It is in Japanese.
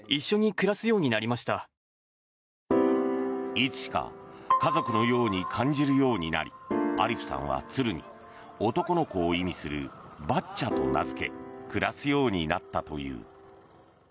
いつしか家族のように感じるようになりアリフさんは鶴に、男の子を意味するバッチャと名付け暮らすようになったという。